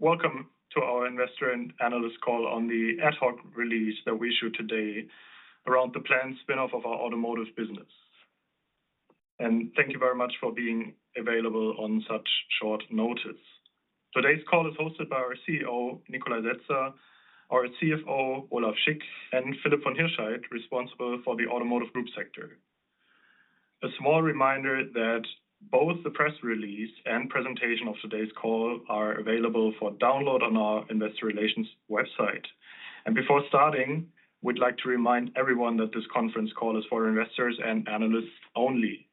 Welcome to our investor and analyst call on the ad hoc release that we issued today around the planned spinoff of our automotive business. Thank you very much for being available on such short notice. Today's call is hosted by our CEO, Nikolai Setzer, our CFO, Olaf Schick, and Philipp von Hirschheydt, responsible for the Automotive group sector. A small reminder that both the press release and presentation of today's call are available for download on our investor relations website. Before starting, we'd like to remind everyone that this conference call is for investors and analysts only.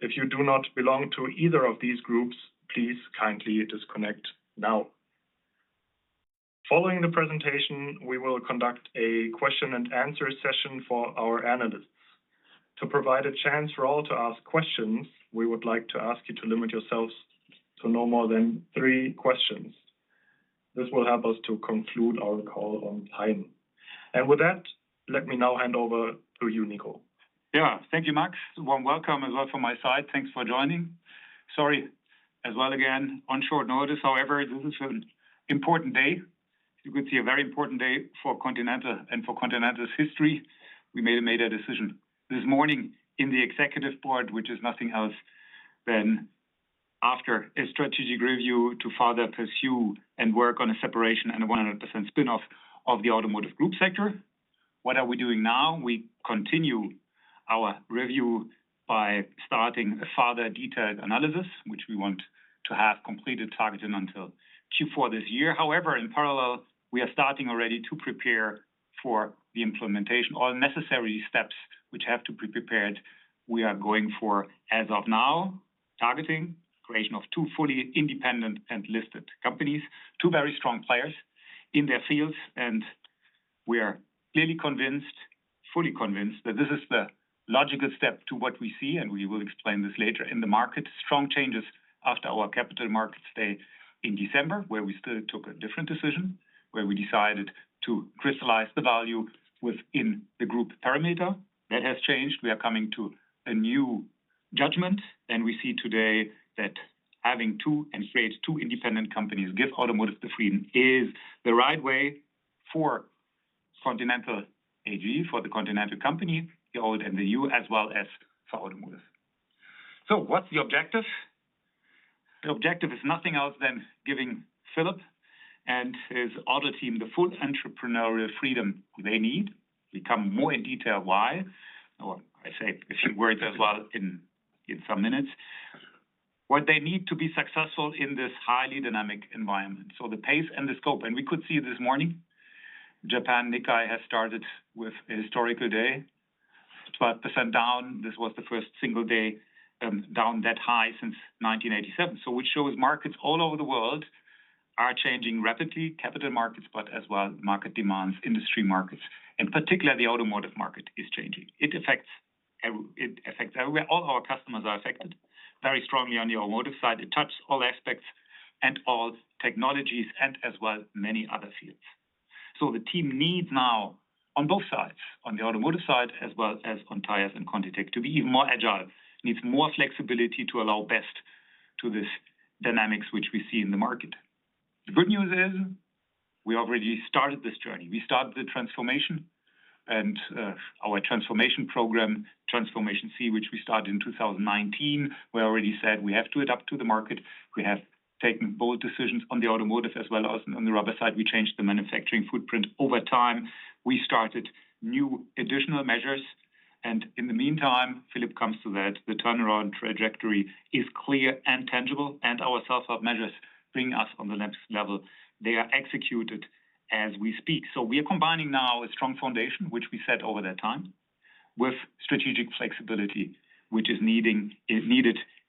If you do not belong to either of these groups, please kindly disconnect now. Following the presentation, we will conduct a question-and-answer session for our analysts. To provide a chance for all to ask questions, we would like to ask you to limit yourselves to no more than three questions. This will help us to conclude our call on time. With that, let me now hand over to you, Niko. Yeah, thank you, Max. Warm welcome as well from my side. Thanks for joining. Sorry as well again on short notice. However, this is an important day. You could see a very important day for Continental and for Continental's history. We made a decision this morning in the executive board, which is nothing else than after a strategic review to further pursue and work on a separation and a 100% spinoff of the Automotive group sector. What are we doing now? We continue our review by starting a further detailed analysis, which we want to have completed targeting until Q4 this year. However, in parallel, we are starting already to prepare for the implementation. All necessary steps which have to be prepared, we are going for as of now, targeting creation of two fully independent and listed companies, two very strong players in their fields. And we are clearly convinced, fully convinced that this is the logical step to what we see, and we will explain this later in the market. Strong changes after our capital markets day in December, where we still took a different decision, where we decided to crystallize the value within the group perimeter. That has changed. We are coming to a new judgment, and we see today that having two and create two independent companies give automotive the freedom is the right way for Continental AG, for the Continental company, the old and the new, as well as for automotive. What's the objective? The objective is nothing else than giving Philipp and his auto team the full entrepreneurial freedom they need. We come more in detail why. I say a few words as well in some minutes. What they need to be successful in this highly dynamic environment. So the pace and the scope, and we could see this morning, Japan, Nikkei has started with a historical day, 12% down. This was the first single day down that high since 1987. So which shows markets all over the world are changing rapidly, capital markets, but as well market demands, industry markets, and particularly the automotive market is changing. It affects everywhere. All our customers are affected very strongly on the automotive side. It touches all aspects and all technologies and as well many other fields. So the team needs now on both sides, on the automotive side as well as on tires and ContiTech, to be even more agile, needs more flexibility to adapt best to these dynamics which we see in the market. The good news is we already started this journey. We started the transformation and our transformation program, Transformation C, which we started in 2019. We already said we have to adapt to the market. We have taken bold decisions on the automotive as well as on the rubber side. We changed the manufacturing footprint over time. We started new additional measures. In the meantime, Philipp comes to that. The turnaround trajectory is clear and tangible, and our self-help measures bring us on the next level. They are executed as we speak. So we are combining now a strong foundation, which we set over that time, with strategic flexibility, which is needed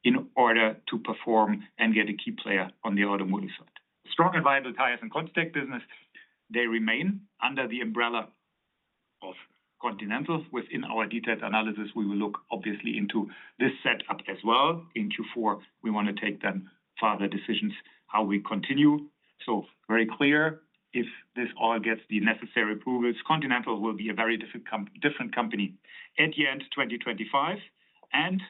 in order to perform and get a key player on the automotive side. Strong and viable tires and ContiTech business, they remain under the umbrella of Continental. Within our detailed analysis, we will look obviously into this setup as well. In Q4, we want to take the further decisions how we continue. So very clear, if this all gets the necessary approvals, Continental will be a very different company at the end of 2025. And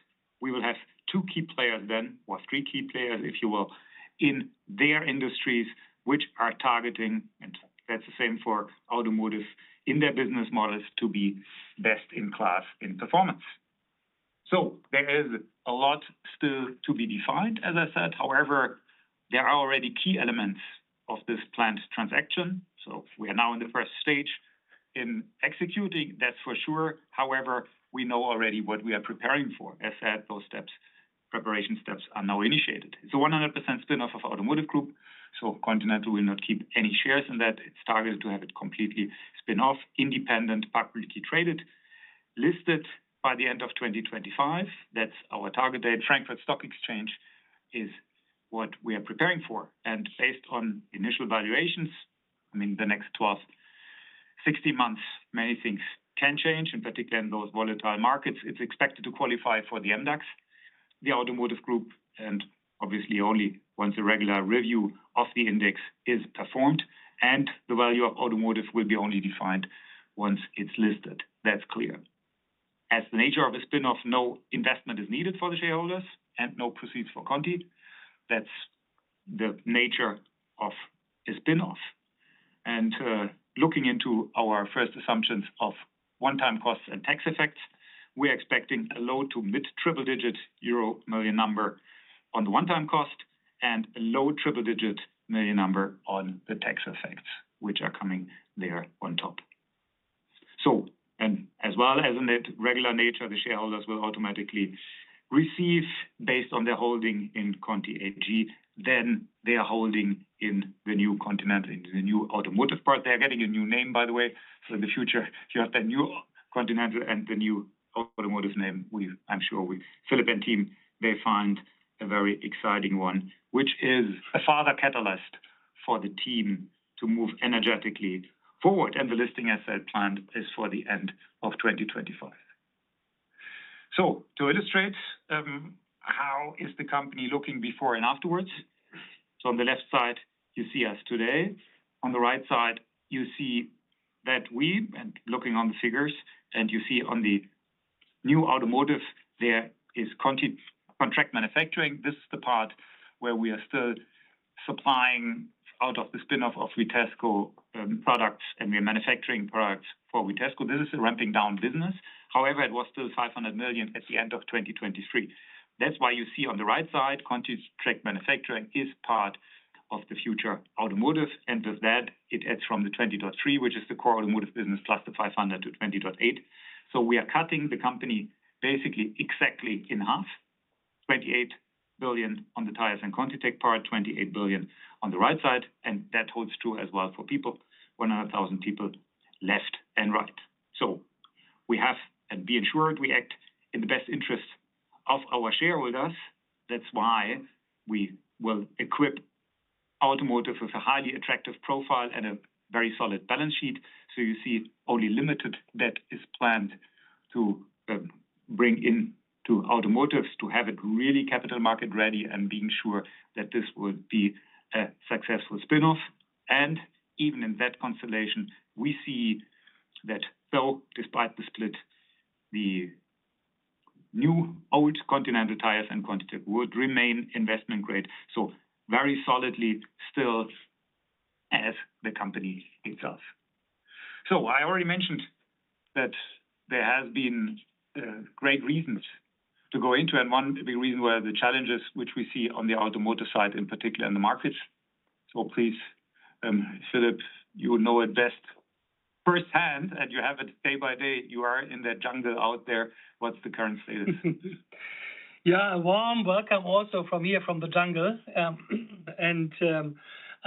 we will have two key players then, or three key players, if you will, in their industries, which are targeting, and that's the same for automotive in their business models to be best in class in performance. So there is a lot still to be defined, as I said. However, there are already key elements of this planned transaction. So we are now in the first stage in executing, that's for sure. However, we know already what we are preparing for. As said, those steps, preparation steps are now initiated. It's a 100% spinoff of Automotive group. So Continental will not keep any shares in that. It's targeted to have it completely spinoff, independent, publicly traded, listed by the end of 2025. That's our target date. Frankfurt Stock Exchange is what we are preparing for. And based on initial valuations, I mean, the next 12, 16 months, many things can change, in particular in those volatile markets. It's expected to qualify for the MDAX, the Automotive group, and obviously only once a regular review of the index is performed. And the value of automotive will be only defined once it's listed. That's clear. As the nature of a spinoff, no investment is needed for the shareholders and no proceeds for Conti. That's the nature of a spinoff. Looking into our first assumptions of one-time costs and tax effects, we're expecting a low- to mid-triple-digit euro million number on the one-time cost and a low triple-digit million number on the tax effects, which are coming there on top. So, and as well as in that regular nature, the shareholders will automatically receive based on their holding in Conti AG, then their holding in the new Continental, in the new automotive part. They're getting a new name, by the way. So in the future, if you have that new Continental and the new automotive name, I'm sure Philipp and team, they find a very exciting one, which is a further catalyst for the team to move energetically forward. The listing, as I said, planned is for the end of 2025. So to illustrate how is the company looking before and afterwards. So on the left side, you see us today. On the right side, you see that we, and looking on the figures, and you see on the new automotive, there is Conti contract manufacturing. This is the part where we are still supplying out of the spinoff of Vitesco products, and we are manufacturing products for Vitesco. This is a ramping down business. However, it was still 500 million at the end of 2023. That's why you see on the right side, Conti contract manufacturing is part of the future automotive. And with that, it adds from the 20.3 billion, which is the core automotive business, plus the 500 million to 20.8 billion. So we are cutting the company basically exactly in half, 28 billion on the Tires and ContiTech part, 28 billion on the right side. And that holds true as well for people, 100,000 people left and right. So we have to be ensured we act in the best interest of our shareholders. That's why we will equip Automotive with a highly attractive profile and a very solid balance sheet. So you see only limited that is planned to bring in to Automotive to have it really capital market ready and being sure that this would be a successful spinoff. And even in that constellation, we see that though despite the split, the new-old Continental Tires and ContiTech would remain investment grade. So very solidly still as the company itself. So I already mentioned that there have been great reasons to go into, and one big reason were the challenges which we see on the automotive side in particular in the markets. So please, Philipp, you know it best firsthand, and you have it day by day. You are in that jungle out there. What's the current status? Yeah, warm welcome also from here, from the jungle.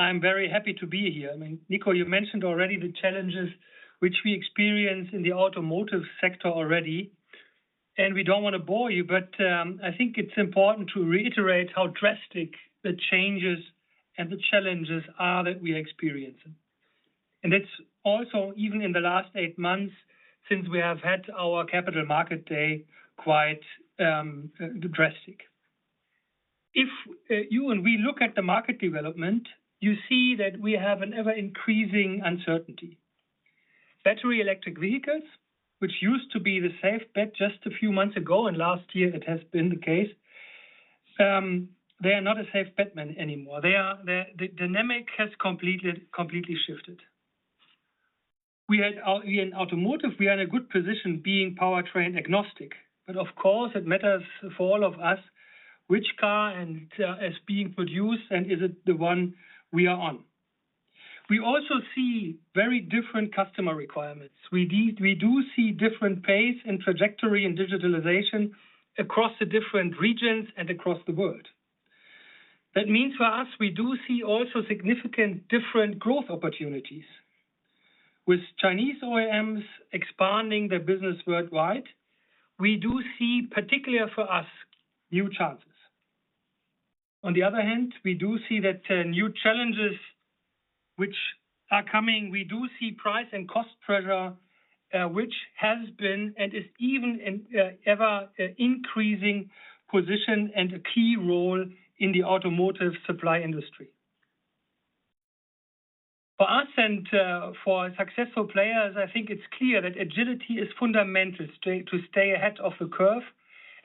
I'm very happy to be here. I mean, Niko, you mentioned already the challenges which we experience in the automotive sector already. We don't want to bore you, but I think it's important to reiterate how drastic the changes and the challenges are that we are experiencing. That's also even in the last eight months since we have had our capital market day, quite drastic. If you and we look at the market development, you see that we have an ever-increasing uncertainty. Battery electric vehicles, which used to be the safe bet just a few months ago, and last year it has been the case, they are not a safe bet anymore. The dynamic has completely shifted. We had in automotive, we are in a good position being powertrain agnostic. But of course, it matters for all of us which cars are being produced, and is it the one we are on? We also see very different customer requirements. We do see different pace and trajectory and digitalization across the different regions and across the world. That means for us, we do see also significant different growth opportunities. With Chinese OEMs expanding their business worldwide, we do see, particularly for us, new chances. On the other hand, we do see that new challenges which are coming. We do see price and cost pressure, which has been and is even in ever-increasing position and a key role in the automotive supply industry. For us and for successful players, I think it's clear that agility is fundamental to stay ahead of the curve.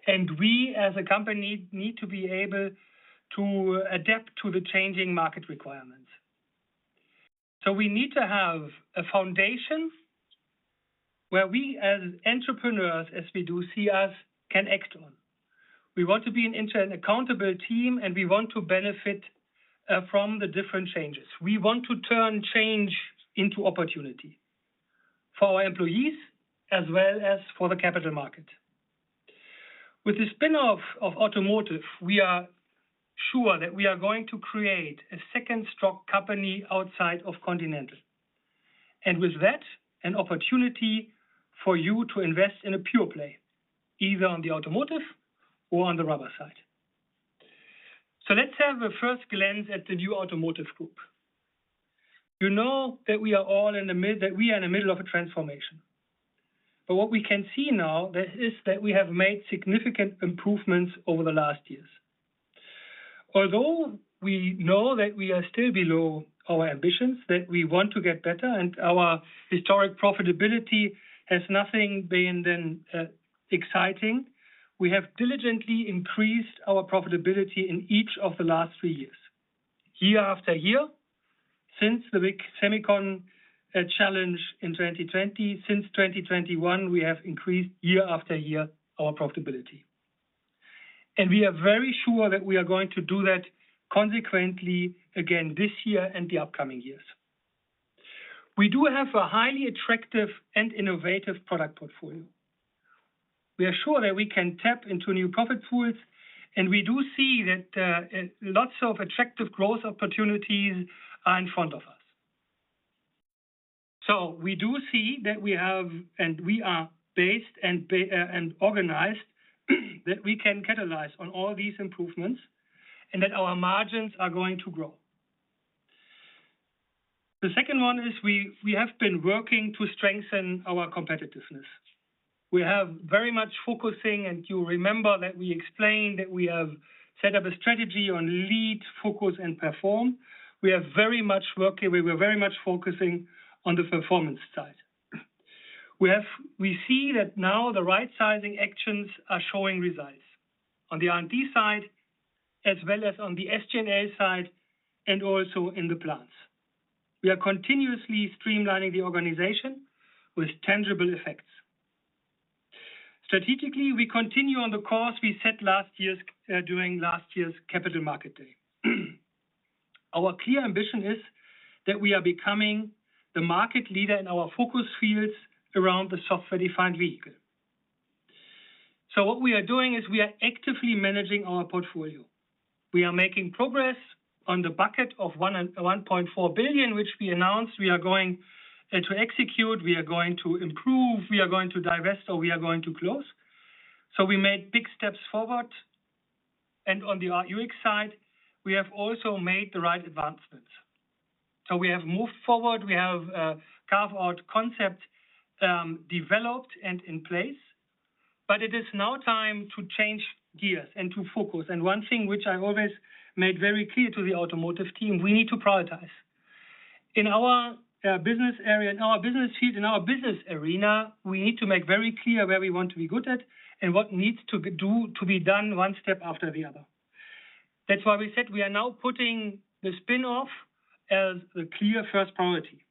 And we as a company need to be able to adapt to the changing market requirements. So we need to have a foundation where we as entrepreneurs, as we do see us, can act on. We want to be an accountable team, and we want to benefit from the different changes. We want to turn change into opportunity for our employees as well as for the capital market. With the spinoff of automotive, we are sure that we are going to create a second strong company outside of Continental. And with that, an opportunity for you to invest in a pure play, either on the automotive or on the rubber side. So let's have a first glance at the new Automotive group. You know that we are all in the middle of a transformation. But what we can see now is that we have made significant improvements over the last years. Although we know that we are still below our ambitions, that we want to get better, and our historic profitability has not been too exciting, we have diligently increased our profitability in each of the last three years. Year-after-year, since the big Semicon challenge in 2020, since 2021, we have increased year after year our profitability. And we are very sure that we are going to do that consistently again this year and the upcoming years. We do have a highly attractive and innovative product portfolio. We are sure that we can tap into new profit pools, and we do see that lots of attractive growth opportunities are in front of us. So we do see that we have, and we are best organized so that we can capitalize on all these improvements and that our margins are going to grow. The second one is we have been working to strengthen our competitiveness. We have very much focusing, and you remember that we explained that we have set up a strategy on lead, focus, and perform. We have very much working. We were very much focusing on the performance side. We see that now the right-sizing actions are showing results on the R&D side, as well as on the SG&A side, and also in the plants. We are continuously streamlining the organization with tangible effects. Strategically, we continue on the course we set during last year's capital market day. Our clear ambition is that we are becoming the market leader in our focus fields around the software-defined vehicle. So what we are doing is we are actively managing our portfolio. We are making progress on the bucket of 1.4 billion, which we announced we are going to execute. We are going to improve. We are going to divest or we are going to close. So we made big steps forward. And on the UX side, we have also made the right advancements. So we have moved forward. We have carved out concepts developed and in place. But it is now time to change gears and to focus. And one thing which I always made very clear to the automotive team, we need to prioritize. In our business area, in our business field, in our business arena, we need to make very clear where we want to be good at and what needs to be done one step after the other. That's why we said we are now putting the spinoff as the clear first priority,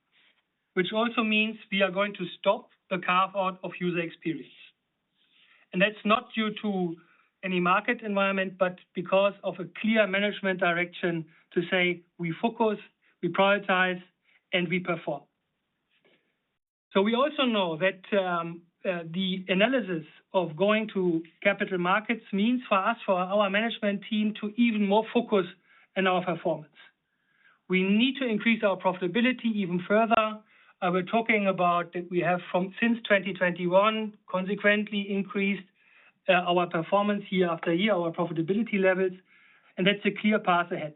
which also means we are going to stop the carve-out of user experience. That's not due to any market environment, but because of a clear management direction to say we focus, we prioritize, and we perform. So we also know that the analysis of going to capital markets means for us, for our management team, to even more focus on our performance. We need to increase our profitability even further. We're talking about that we have since 2021, consequently increased our performance year after year, our profitability levels. And that's a clear path ahead.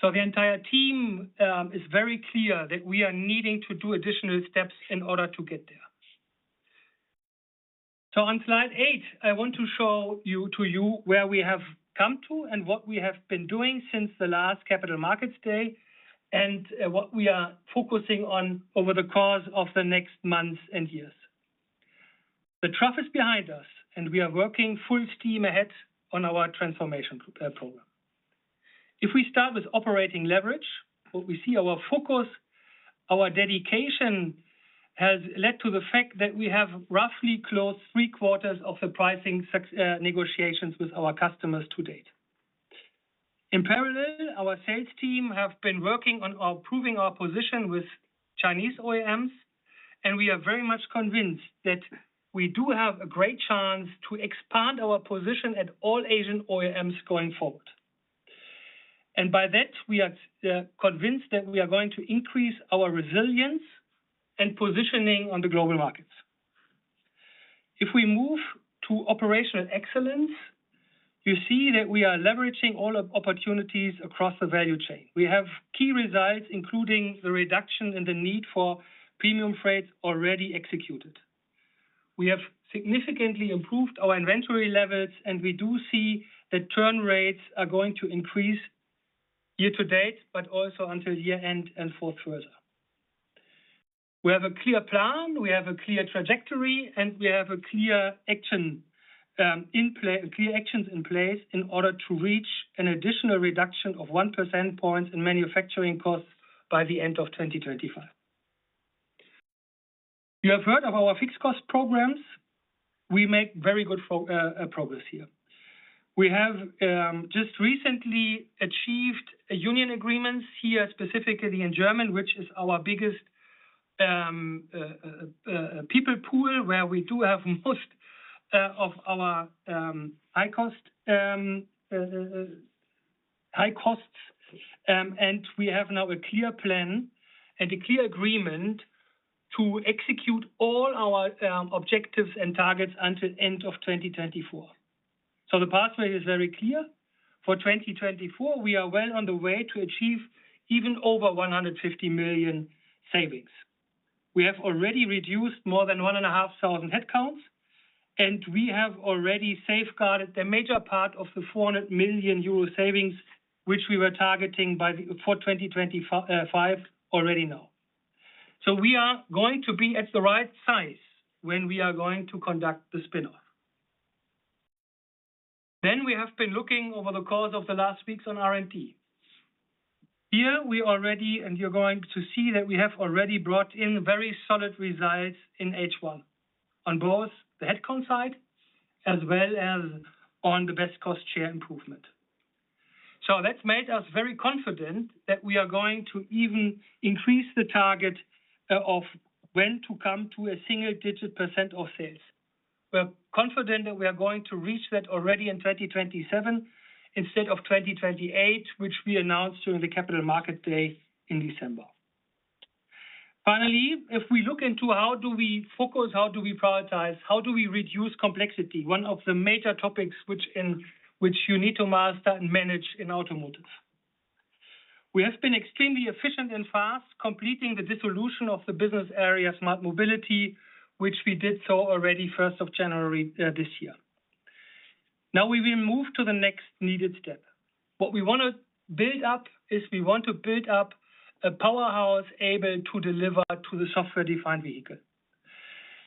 So the entire team is very clear that we are needing to do additional steps in order to get there. So on slide 8, I want to show you to you where we have come to and what we have been doing since the last capital markets day and what we are focusing on over the course of the next months and years. The trough is behind us, and we are working full steam ahead on our transformation program. If we start with operating leverage, what we see, our focus, our dedication has led to the fact that we have roughly closed three quarters of the pricing negotiations with our customers to date. In parallel, our sales team have been working on proving our position with Chinese OEMs, and we are very much convinced that we do have a great chance to expand our position at all Asian OEMs going forward. And by that, we are convinced that we are going to increase our resilience and positioning on the global markets. If we move to operational excellence, you see that we are leveraging all opportunities across the value chain. We have key results, including the reduction in the need for premium freights already executed. We have significantly improved our inventory levels, and we do see that turn rates are going to increase year to date, but also until year-end and further. We have a clear plan. We have a clear trajectory, and we have clear actions in place in order to reach an additional reduction of 1 percentage points in manufacturing costs by the end of 2025. You have heard of our fixed cost programs. We make very good progress here. We have just recently achieved union agreements here, specifically in Germany, which is our biggest people pool, where we do have most of our high costs. And we have now a clear plan and a clear agreement to execute all our objectives and targets until the end of 2024. So the pathway is very clear. For 2024, we are well on the way to achieve even over 150 million savings. We have already reduced more than 1,500 headcounts, and we have already safeguarded a major part of the 400 million euro savings, which we were targeting for 2025 already now. So we are going to be at the right size when we are going to conduct the spinoff. Then we have been looking over the course of the last weeks on R&D. Here, we already, and you're going to see that we have already brought in very solid results in H1 on both the headcount side as well as on the best cost share improvement. So that's made us very confident that we are going to even increase the target of when to come to a single-digit % of sales. We're confident that we are going to reach that already in 2027 instead of 2028, which we announced during the capital market day in December. Finally, if we look into how do we focus, how do we prioritize, how do we reduce complexity, one of the major topics which you need to master and manage in automotive. We have been extremely efficient and fast completing the dissolution of the business area Smart Mobility, which we did so already 1st of January this year. Now we will move to the next needed step. What we want to build up is we want to build up a powerhouse able to deliver to the Software-Defined Vehicle.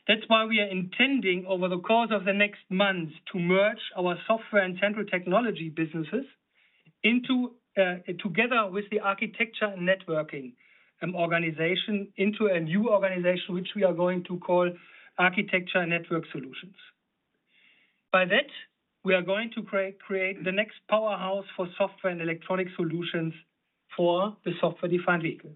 That's why we are intending over the course of the next months to merge our software and central technology businesses together with the Architecture and Networking organization into a new organization, which we are going to call Architecture and Network Solutions. By that, we are going to create the next powerhouse for software and electronic solutions for the Software-Defined Vehicle.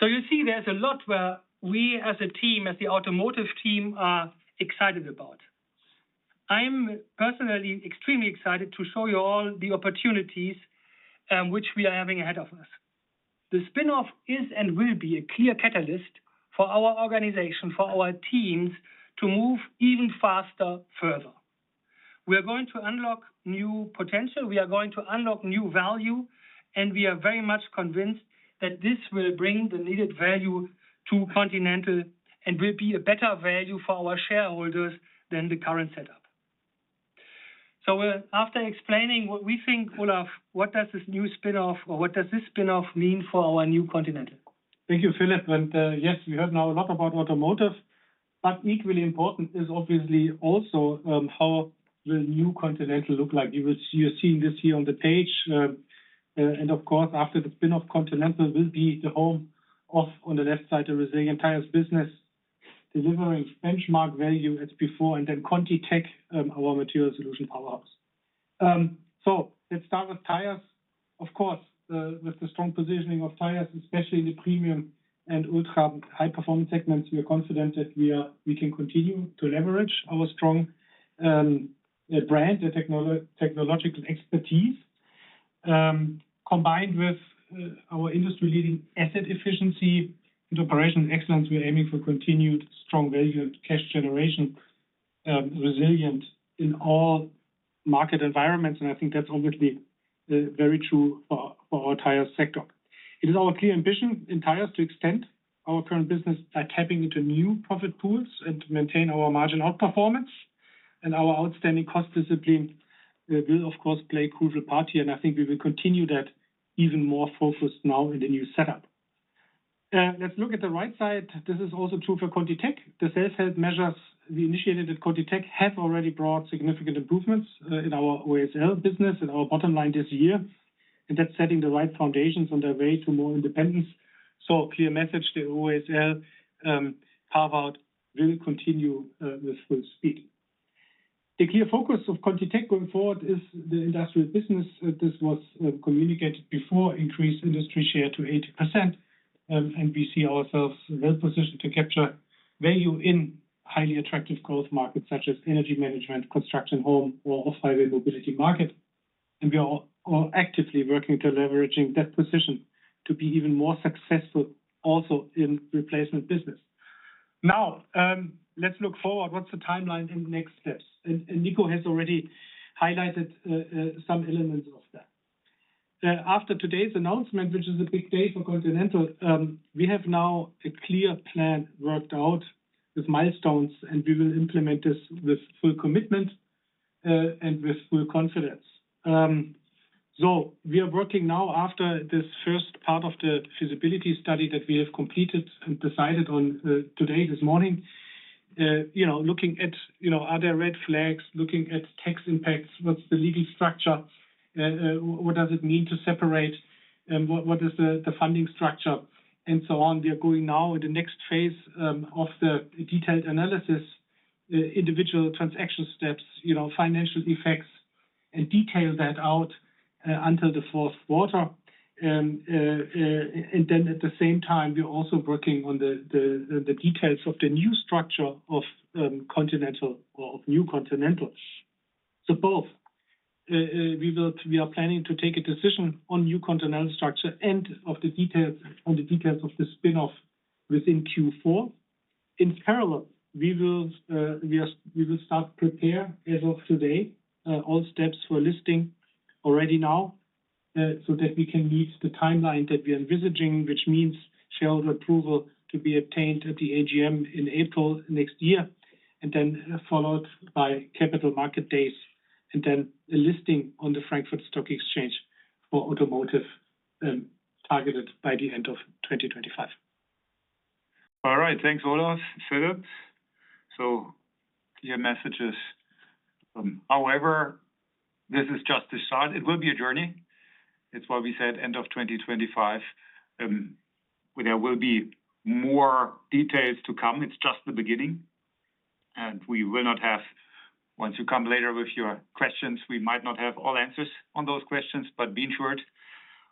So you see there's a lot where we as a team, as the automotive team, are excited about. I'm personally extremely excited to show you all the opportunities which we are having ahead of us. The spinoff is and will be a clear catalyst for our organization, for our teams to move even faster further. We are going to unlock new potential. We are going to unlock new value, and we are very much convinced that this will bring the needed value to Continental and will be a better value for our shareholders than the current setup. So after explaining what we think, Olaf, what does this new spinoff or what does this spinoff mean for our new Continental? Thank you, Philipp. And yes, we heard now a lot about automotive, but equally important is obviously also how will new Continental look like. You're seeing this here on the page. And of course, after the spinoff, Continental will be the home of, on the left side, the Resilient Tires business, delivering benchmark value as before, and then ContiTech, our material solution powerhouse. So let's start with tires. Of course, with the strong positioning of tires, especially in the premium and ultra high-performance segments, we are confident that we can continue to leverage our strong brand and technological expertise. Combined with our industry-leading asset efficiency and operational excellence, we are aiming for continued strong value and cash generation, resilient in all market environments. And I think that's obviously very true for our tire sector. It is our clear ambition in tires to extend our current business by tapping into new profit pools and to maintain our margin outperformance. Our outstanding cost discipline will, of course, play a crucial part here, and I think we will continue that even more focused now in the new setup. Let's look at the right side. This is also true for ContiTech. The self-help measures we initiated at ContiTech have already brought significant improvements in our OESL business and our bottom line this year. That's setting the right foundations on their way to more independence. So clear message, the OESL carve-out will continue with full speed. The clear focus of ContiTech going forward is the industrial business. This was communicated before, increased industry share to 80%. We see ourselves well positioned to capture value in highly attractive growth markets such as energy management, construction, home, or off-highway mobility market. We are actively working to leveraging that position to be even more successful also in replacement business. Now, let's look forward. What's the timeline and next steps? Niko has already highlighted some elements of that. After today's announcement, which is a big day for Continental, we have now a clear plan worked out with milestones, and we will implement this with full commitment and with full confidence. We are working now after this first part of the feasibility study that we have completed and decided on today this morning, looking at other red flags, looking at tax impacts, what's the legal structure, what does it mean to separate, what is the funding structure, and so on. We are going now in the next phase of the detailed analysis, individual transaction steps, financial effects, and detail that out until the fourth quarter. Then at the same time, we're also working on the details of the new structure of Continental or of New Continental. So both, we are planning to take a decision on New Continental structure and of the details of the spinoff within Q4. In parallel, we will start to prepare as of today all steps for listing already now so that we can meet the timeline that we are envisaging, which means shareholder approval to be obtained at the AGM in April next year, and then followed by capital market days, and then a listing on the Frankfurt Stock Exchange for automotive targeted by the end of 2025. All right. Thanks, Olaf, Philipp. So clear messages. However, this is just the start. It will be a journey. It's what we said, end of 2025, where there will be more details to come. It's just the beginning. We will not have, once you come later with your questions, we might not have all answers on those questions, but be ensured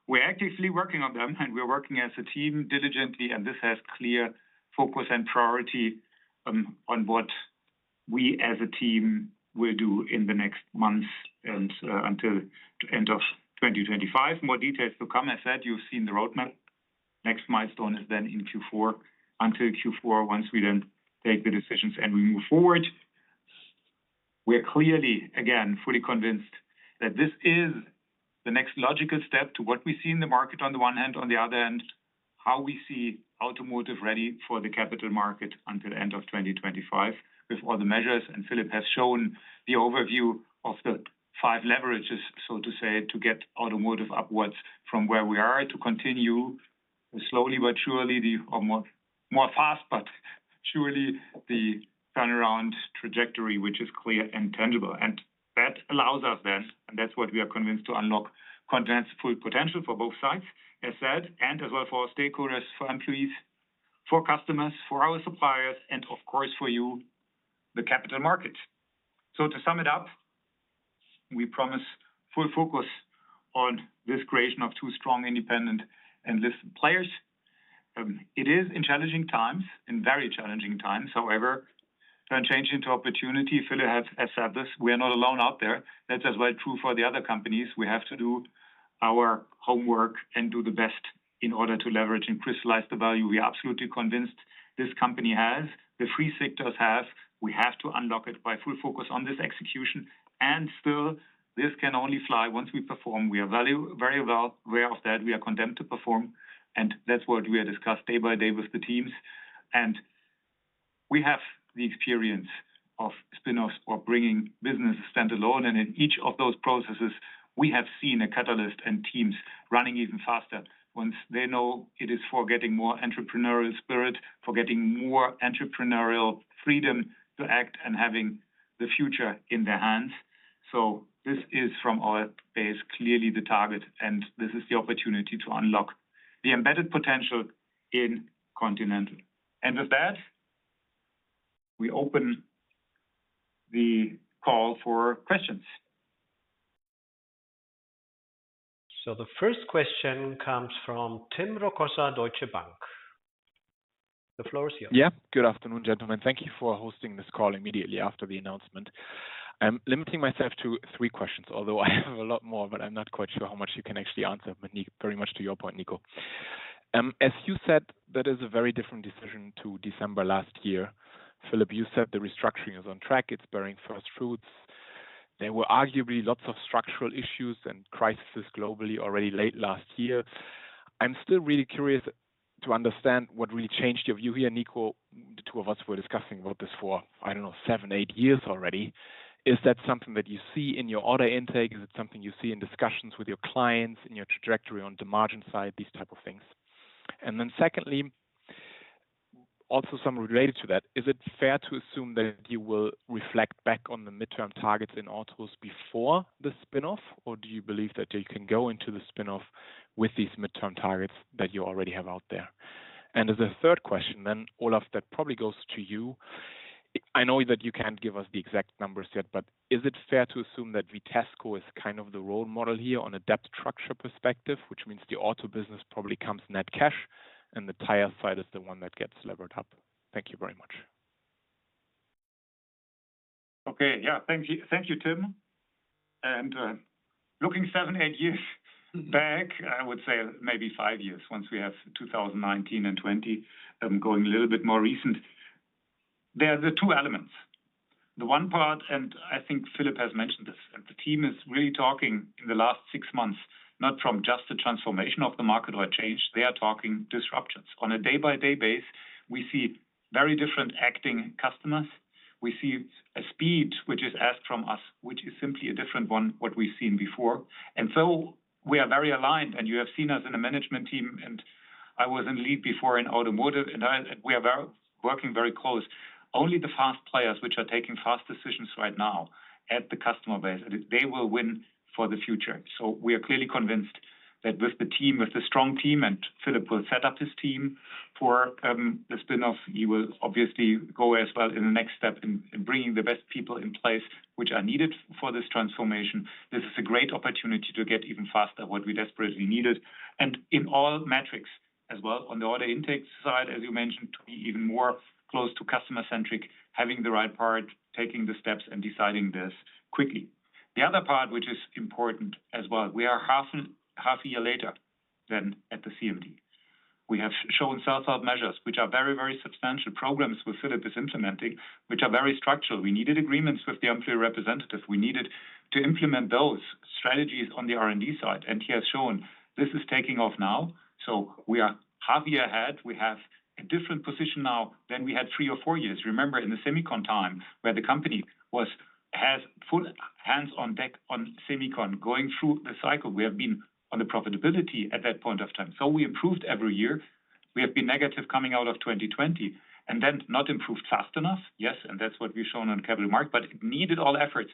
we're actively working on them, and we're working as a team diligently, and this has clear focus and priority on what we as a team will do in the next months and until the end of 2025. More details to come. I said, you've seen the roadmap. Next milestone is then in Q4. Until Q4, once we then take the decisions and we move forward, we're clearly, again, fully convinced that this is the next logical step to what we see in the market on the one hand, on the other hand, how we see automotive ready for the capital market until the end of 2025 with all the measures. Philipp has shown the overview of the five leverages, so to say, to get Automotive upwards from where we are to continue slowly but surely the more fast, but surely the turnaround trajectory, which is clear and tangible. That allows us then, and that's what we are convinced to unlock, conveys full potential for both sides, as said, and as well for our stakeholders, for employees, for customers, for our suppliers, and of course, for you, the capital markets. To sum it up, we promise full focus on this creation of two strong, independent, and listed players. It is in challenging times, in very challenging times. However, turn change into opportunity, Philipp has said this. We are not alone out there. That's as well true for the other companies. We have to do our homework and do the best in order to leverage and crystallize the value we are absolutely convinced this company has. The three sectors have. We have to unlock it by full focus on this execution. And still, this can only fly once we perform. We are very well aware of that. We are condemned to perform. And that's what we are discussing day by day with the teams. And we have the experience of spinoffs or bringing businesses standalone. And in each of those processes, we have seen a catalyst and teams running even faster once they know it is for getting more entrepreneurial spirit, for getting more entrepreneurial freedom to act and having the future in their hands. So this is, from our base, clearly the target. And this is the opportunity to unlock the embedded potential in Continental. With that, we open the call for questions. The first question comes from Tim Rokossa, Deutsche Bank. The floor is yours. Yeah, good afternoon, gentlemen. Thank you for hosting this call immediately after the announcement. I'm limiting myself to three questions, although I have a lot more, but I'm not quite sure how much you can actually answer, very much to your point, Niko. As you said, that is a very different decision to December last year. Philipp, you said the restructuring is on track. It's bearing first fruits. There were arguably lots of structural issues and crises globally already late last year. I'm still really curious to understand what really changed your view here, Niko, the two of us were discussing about this for, I don't know, seven, eight years already. Is that something that you see in your order intake? Is it something you see in discussions with your clients, in your trajectory on the margin side, these type of things? And then secondly, also something related to that, is it fair to assume that you will reflect back on the midterm targets in autos before the spinoff, or do you believe that you can go into the spinoff with these midterm targets that you already have out there? And as a third question, then, Olaf, that probably goes to you. I know that you can't give us the exact numbers yet, but is it fair to assume that Vitesco is kind of the role model here on a debt structure perspective, which means the auto business probably comes net cash, and the tire side is the one that gets levered up? Thank you very much. Okay, yeah, thank you, Tim. And looking seven, eight years back, I would say maybe five years once we have 2019 and 2020 going a little bit more recent, there are the two elements. The one part, and I think Philipp has mentioned this, and the team is really talking in the last six months, not from just the transformation of the market or a change. They are talking disruptions. On a day-by-day basis, we see very different acting customers. We see a speed which is asked from us, which is simply a different one what we've seen before. And so we are very aligned, and you have seen us in the management team, and I was in lead before in automotive, and we are working very close. Only the fast players which are taking fast decisions right now at the customer base, they will win for the future. So we are clearly convinced that with the team, with the strong team, and Philipp will set up his team for the spinoff, he will obviously go as well in the next step in bringing the best people in place which are needed for this transformation. This is a great opportunity to get even faster what we desperately needed. In all metrics as well, on the order intake side, as you mentioned, to be even more close to customer-centric, having the right part, taking the steps and deciding this quickly. The other part which is important as well, we are half a year later than at the CMD. We have shown self-help measures which are very, very substantial programs where Philipp is implementing, which are very structural. We needed agreements with the employee representative. We needed to implement those strategies on the R&D side. He has shown this is taking off now. So we are half a year ahead. We have a different position now than we had three or four years. Remember in the Semicon time where the company has all hands on deck on Semicon going through the cycle, we have been on the profitability at that point of time. So we improved every year. We have been negative coming out of 2020 and then not improved fast enough, yes, and that's what we've shown on capital market, but it needed all efforts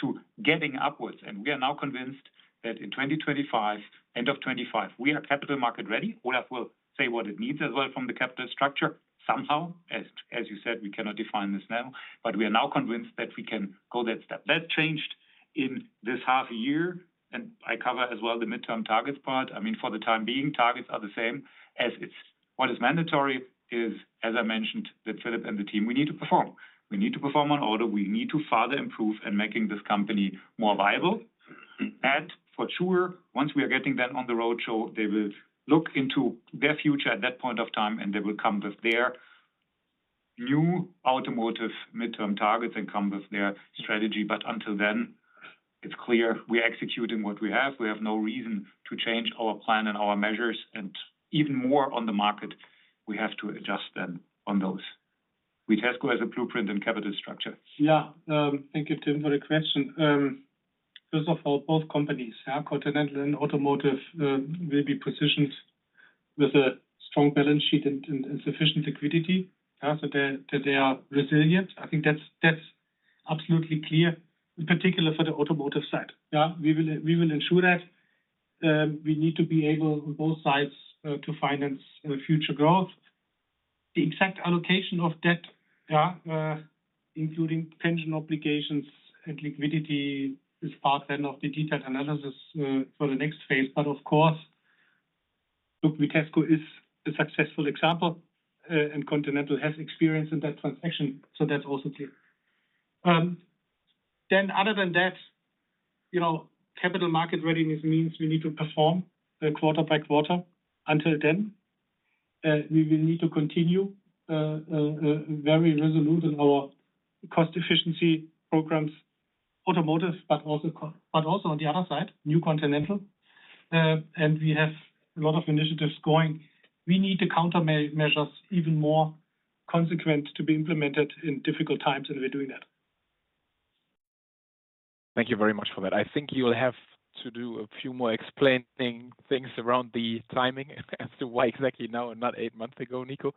to getting upwards. We are now convinced that in 2025, end of 2025, we are capital market ready. Olaf will say what it needs as well from the capital structure somehow. As you said, we cannot define this now, but we are now convinced that we can go that step. That's changed in this half a year, and I cover as well the midterm targets part. I mean, for the time being, targets are the same as it's. What is mandatory is, as I mentioned, that Philipp and the team, we need to perform. We need to perform on order. We need to further improve and make this company more viable. And for sure, once we are getting them on the roadshow, they will look into their future at that point of time, and they will come with their new automotive midterm targets and come with their strategy. But until then, it's clear we are executing what we have. We have no reason to change our plan and our measures. And even more on the market, we have to adjust then on those. Vitesco has a blueprint and capital structure. Yeah, thank you, Tim, for the question. First of all, both companies, Continental and automotive, will be positioned with a strong balance sheet and sufficient liquidity. So they are resilient. I think that's absolutely clear, in particular for the automotive side. We will ensure that we need to be able on both sides to finance future growth. The exact allocation of debt, including pension obligations and liquidity, is part then of the detailed analysis for the next phase. But of course, look, Vitesco is a successful example, and Continental has experience in that transaction. So that's also clear. Then other than that, capital market readiness means we need to perform quarter by quarter. Until then, we will need to continue very resolute in our cost efficiency programs, automotive, but also on the other side, new Continental. And we have a lot of initiatives going. We need to counter measures even more consequent to be implemented in difficult times, and we're doing that. Thank you very much for that. I think you'll have to do a few more explaining things around the timing as to why exactly now and not eight months ago, Niko.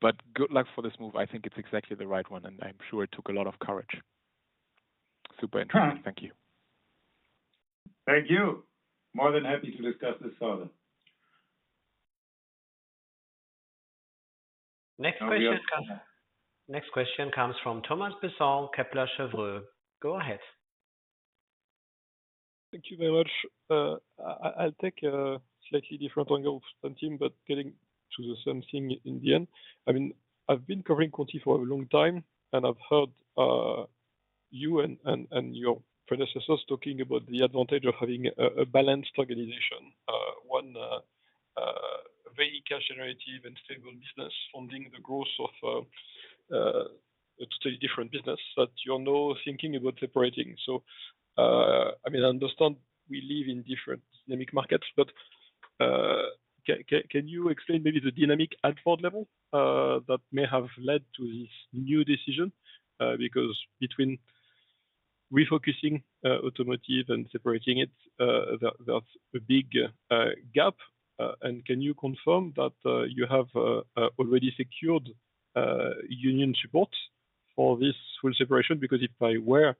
But good luck for this move. I think it's exactly the right one, and I'm sure it took a lot of courage. Super interesting. Thank you. Thank you. More than happy to discuss this further. Next question comes from Thomas Besson, Kepler Cheuvreux. Go ahead. Thank you very much. I'll take a slightly different angle from Tim, but getting to the same thing in the end. I mean, I've been covering Conti for a long time, and I've heard you and your predecessors talking about the advantage of having a balanced organization, one very cash-generative and stable business funding the growth of a totally different business that you're now thinking about separating. So I mean, I understand we live in different dynamic markets, but can you explain maybe the dynamic at board level that may have led to this new decision? Because between refocusing automotive and separating it, that's a big gap. And can you confirm that you have already secured union support for this full separation? Because if I were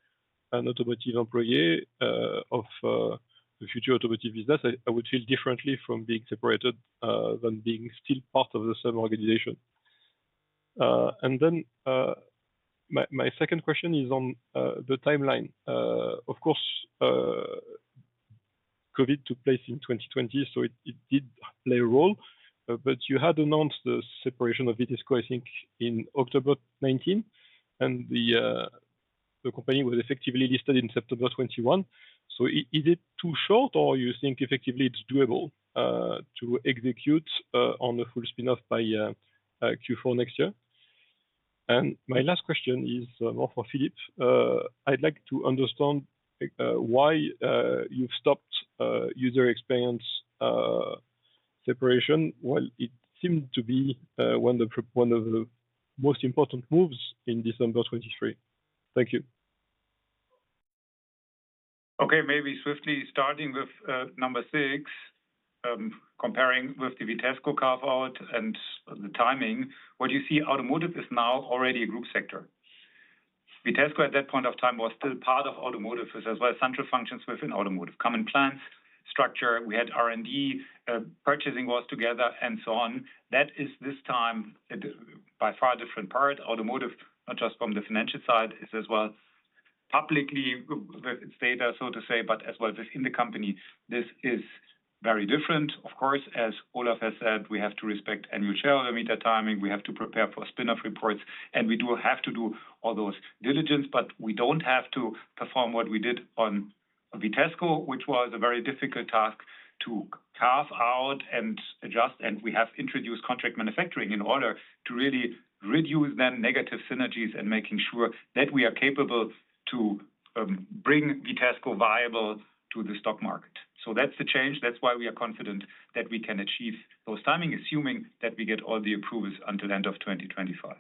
an automotive employee of the future automotive business, I would feel differently from being separated than being still part of the same organization. And then my second question is on the timeline. Of course, COVID took place in 2020, so it did play a role. But you had announced the separation of Vitesco, I think, in October 2019, and the company was effectively listed in September 2021. So is it too short, or you think effectively it's doable to execute on the full spinoff by Q4 next year? And my last question is more for Philipp. I'd like to understand why you've stopped user experience separation. Well, it seemed to be one of the most important moves in December 2023. Thank you. Okay, maybe swiftly starting with number six, comparing with the Vitesco carve-out and the timing, what you see, Automotive is now already a group sector. Vitesco at that point of time was still part of Automotive. It was as well central functions within Automotive, common plans, structure. We had R&D, purchasing was together, and so on. That is this time by far a different part. Automotive, not just from the financial side, is as well publicly with its data, so to say, but as well within the company. This is very different. Of course, as Olaf has said, we have to respect annual shareholder meeting timing. We have to prepare for spinoff reports, and we do have to do all those diligence, but we don't have to perform what we did on Vitesco, which was a very difficult task to carve out and adjust. We have introduced contract manufacturing in order to really reduce the negative synergies and making sure that we are capable to bring Vitesco viable to the stock market. So that's the change. That's why we are confident that we can achieve those timing, assuming that we get all the approvals until end of 2025.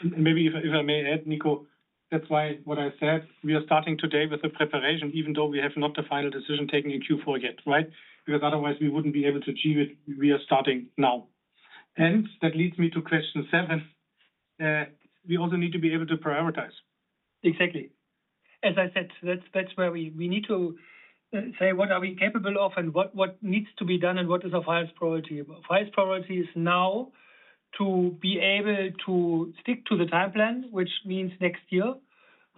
And maybe if I may add, Niko, that's why what I said, we are starting today with the preparation, even though we have not the final decision taking in Q4 yet, right? Because otherwise we wouldn't be able to achieve it. We are starting now. And that leads me to question seven. We also need to be able to prioritize. Exactly. As I said, that's where we need to say what are we capable of and what needs to be done and what is our highest priority. Our highest priority is now to be able to stick to the timeplan, which means next year.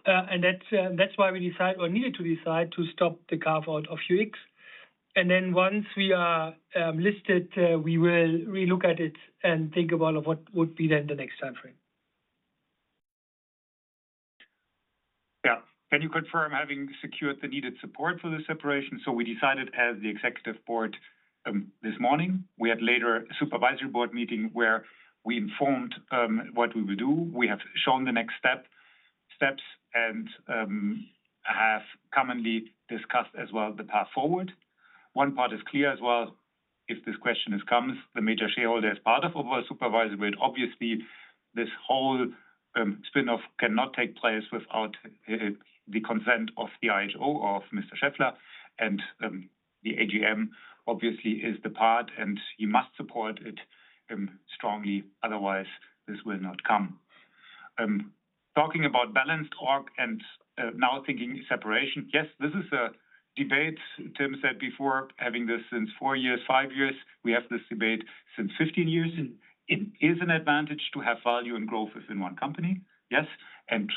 And that's why we decided or needed to decide to stop the carve-out of UX. And then once we are listed, we will relook at it and think about what would be then the next timeframe. Yeah. Can you confirm having secured the needed support for the separation? So we decided as the executive board this morning, we had later a supervisory board meeting where we informed what we will do. We have shown the next steps and have commonly discussed as well the path forward. One part is clear as well. If this question comes, the major shareholder is part of our supervisory board. Obviously, this whole spinoff cannot take place without the consent of the IHO or of Mr. Schaeffler. And the AGM obviously is the part, and you must support it strongly. Otherwise, this will not come. Talking about balanced org and now thinking separation, yes, this is a debate. Tim said before, having this since 4 years, 5 years, we have this debate since 15 years. It is an advantage to have value and growth within one company. Yes.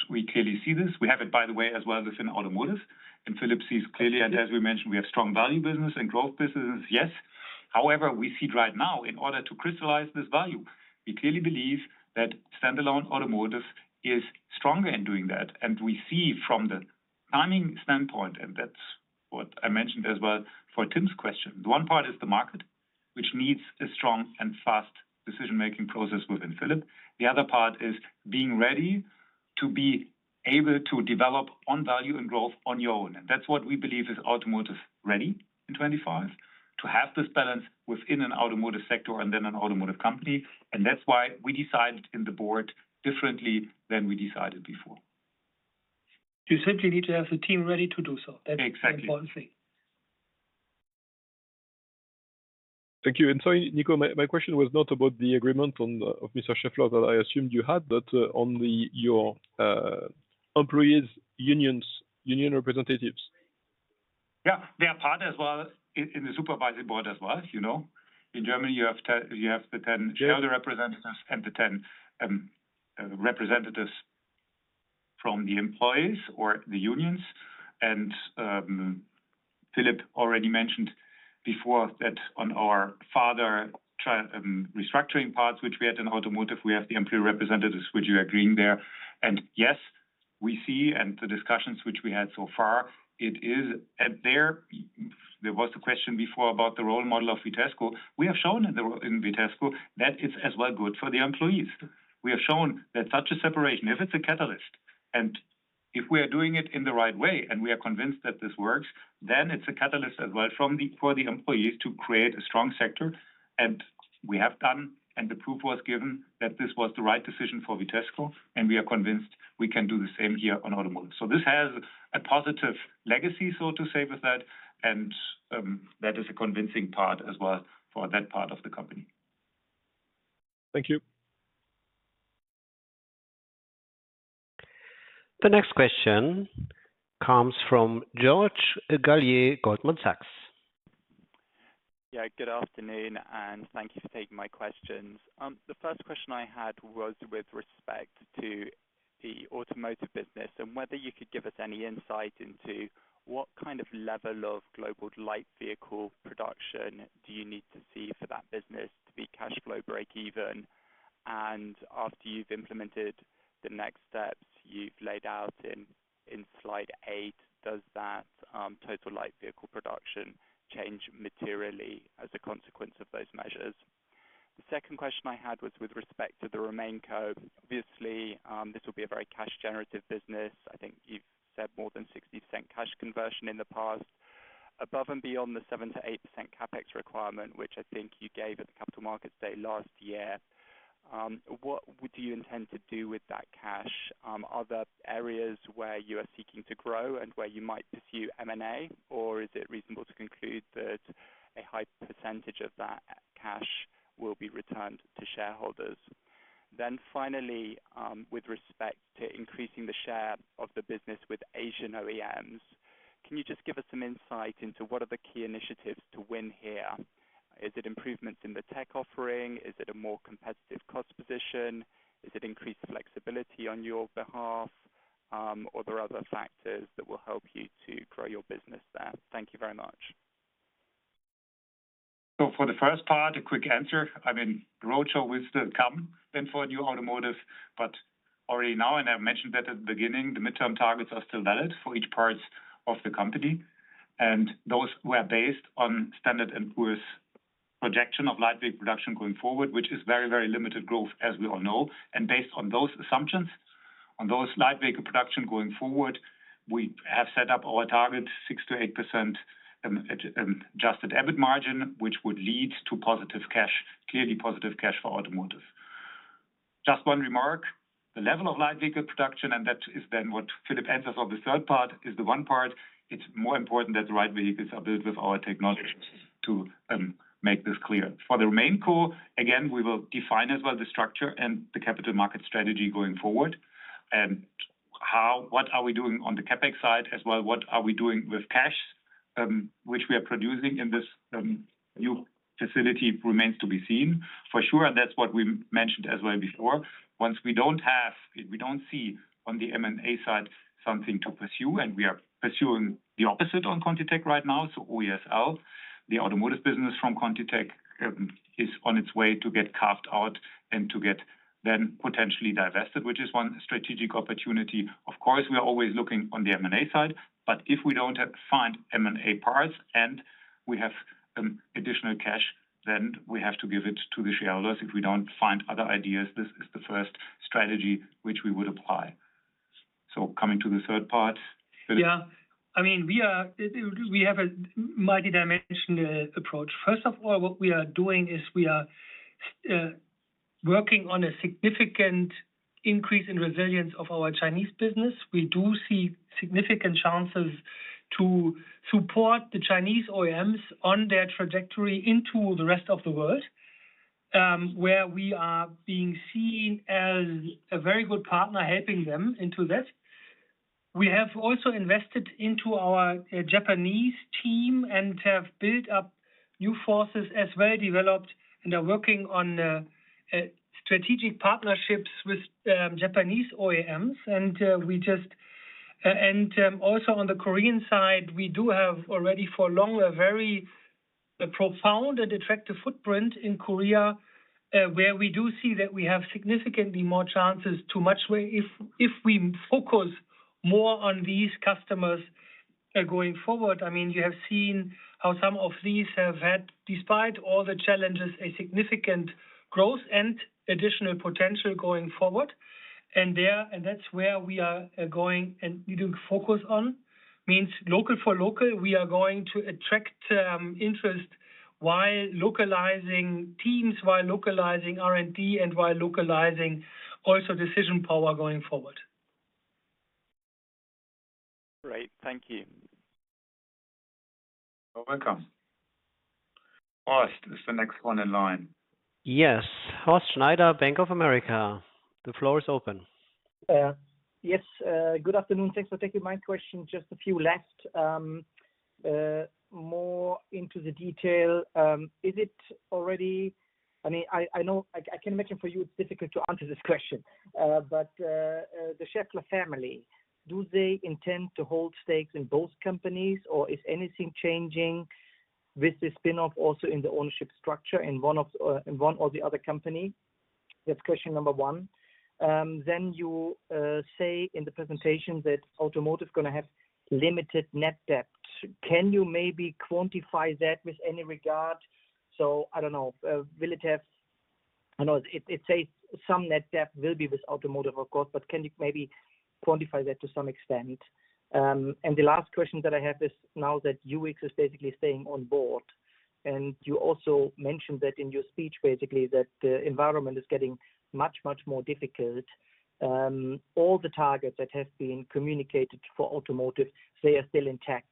We clearly see this. We have it, by the way, as well within automotive. Philipp sees clearly, and as we mentioned, we have strong value business and growth businesses. Yes. However, we see right now, in order to crystallize this value, we clearly believe that standalone automotive is stronger in doing that. We see from the timing standpoint, and that's what I mentioned as well for Tim's question. One part is the market, which needs a strong and fast decision-making process within Philipp. The other part is being ready to be able to develop on value and growth on your own. And that's what we believe is automotive ready in 2025, to have this balance within an automotive sector and then an automotive company. That's why we decided in the board differently than we decided before. You simply need to have the team ready to do so. That's the important thing. Exactly. Thank you. Sorry, Niko, my question was not about the agreement of Mr. Schaeffler that I assumed you had, but on your employees, unions, union representatives. Yeah, they are part as well in the supervisory board as well. In Germany, you have the 10 shareholder representatives and the 10 representatives from the employees or the unions. Philipp already mentioned before that on our former restructuring parts, which we had in automotive, we have the employee representatives, which you are agreeing there. Yes, we see and the discussions which we had so far, it is there. There was a question before about the role model of Vitesco. We have shown in Vitesco that it's as well good for the employees. We have shown that such a separation, if it's a catalyst, and if we are doing it in the right way and we are convinced that this works, then it's a catalyst as well for the employees to create a strong sector. And we have done, and the proof was given that this was the right decision for Vitesco, and we are convinced we can do the same here on automotive. So this has a positive legacy, so to say, with that. And that is a convincing part as well for that part of the company. Thank you. The next question comes from George Galliers, Goldman Sachs. Yeah, good afternoon, and thank you for taking my questions. The first question I had was with respect to the automotive business and whether you could give us any insight into what kind of level of global light vehicle production do you need to see for that business to be cash flow breakeven? And after you've implemented the next steps you've laid out in slide 8, does that total light vehicle production change materially as a consequence of those measures? The second question I had was with respect to the remaining curve. Obviously, this will be a very cash-generative business. I think you've said more than 60% cash conversion in the past. Above and beyond the 7%-8% CapEx requirement, which I think you gave at the Capital Markets Day last year, what do you intend to do with that cash? Are there areas where you are seeking to grow and where you might pursue M&A, or is it reasonable to conclude that a high percentage of that cash will be returned to shareholders? Then finally, with respect to increasing the share of the business with Asian OEMs, can you just give us some insight into what are the key initiatives to win here? Is it improvements in the tech offering? Is it a more competitive cost position? Is it increased flexibility on your behalf? Or there are other factors that will help you to grow your business there? Thank you very much. So for the first part, a quick answer. I mean, growth should be standalone then for the new automotive, but already now, and I mentioned that at the beginning, the midterm targets are still valid for each part of the company. Those were based on Standard & Poor's projection of light vehicle production going forward, which is very, very limited growth, as we all know. Based on those assumptions, on those light vehicle production going forward, we have set up our target, 6%-8% adjusted EBIT margin, which would lead to positive cash, clearly positive cash for automotive. Just one remark, the level of light vehicle production, and that is then what Philipp answers on the third part, is the one part. It's more important that the right vehicles are built with our technology to make this clear. For the remaining core, again, we will define as well the structure and the capital market strategy going forward. What are we doing on the CapEx side as well? What are we doing with cash, which we are producing in this new facility, remains to be seen for sure. That's what we mentioned as well before. Once we don't have, we don't see on the M&A side something to pursue, and we are pursuing the opposite on ContiTech right now. So OESL, the automotive business from ContiTech, is on its way to get carved out and to get then potentially divested, which is one strategic opportunity. Of course, we are always looking on the M&A side, but if we don't find M&A parts and we have additional cash, then we have to give it to the shareholders. If we don't find other ideas, this is the first strategy which we would apply. So coming to the third part, Philipp. Yeah. I mean, we have a multi-dimensional approach. First of all, what we are doing is we are working on a significant increase in resilience of our Chinese business. We do see significant chances to support the Chinese OEMs on their trajectory into the rest of the world, where we are being seen as a very good partner helping them into this. We have also invested into our Japanese team and have built up new forces as well developed and are working on strategic partnerships with Japanese OEMs. And also on the Korean side, we do have already for long a very profound and attractive footprint in Korea, where we do see that we have significantly more chances to much if we focus more on these customers going forward. I mean, you have seen how some of these have had, despite all the challenges, a significant growth and additional potential going forward. And that's where we are going and needing focus on means local for local. We are going to attract interest while localizing teams, while localizing R&D, and while localizing also decision power going forward. Great. Thank you. You're welcome. Horst, it's the next one in line. Yes. Horst Schneider, Bank of America. The floor is open. Yes. Good afternoon. Thanks for taking my question. Just a few left. More into the detail. Is it already? I mean, I can imagine for you it's difficult to answer this question, but the Schaeffler family, do they intend to hold stakes in both companies or is anything changing with the spinoff also in the ownership structure in one or the other company? That's question number one. Then you say in the presentation that automotive is going to have limited net debt. Can you maybe quantify that with any regard? So I don't know. Will it have? I know it says some net debt will be with automotive, of course, but can you maybe quantify that to some extent? And the last question that I have is now that UX is basically staying on board. And you also mentioned that in your speech, basically, that the environment is getting much, much more difficult. All the targets that have been communicated for automotive, they are still intact.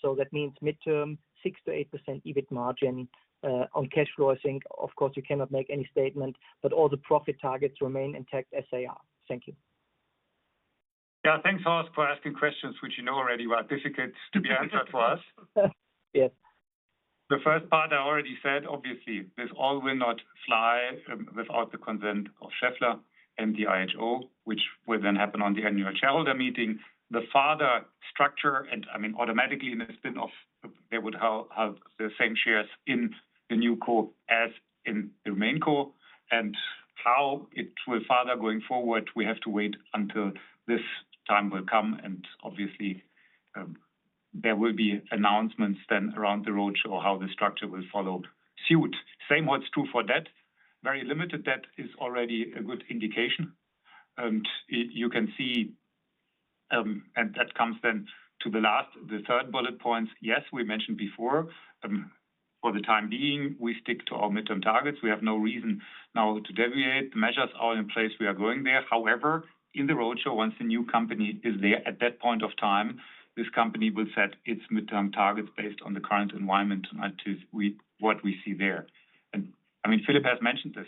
So that means midterm, 6%-8% EBIT margin on cash flow. I think, of course, you cannot make any statement, but all the profit targets remain intact as they are. Thank you. Yeah. Thanks, Horst, for asking questions, which you know already were difficult to be answered for us. Yes. The first part I already said, obviously, this all will not fly without the consent of Schaeffler and the IHO, which will then happen on the annual shareholder meeting. The future structure, and I mean, automatically in the spinoff, they would have the same shares in the new core as in the remaining core. How it will future going forward, we have to wait until this time will come. Obviously, there will be announcements then around the roadshow how the structure will follow suit. Same what's true for debt. Very limited debt is already a good indication. You can see, and that comes then to the last, the third bullet points. Yes, we mentioned before, for the time being, we stick to our midterm targets. We have no reason now to deviate. The measures are in place. We are going there. However, in the roadshow, once the new company is there at that point of time, this company will set its midterm targets based on the current environment and what we see there. And I mean, Philipp has mentioned this.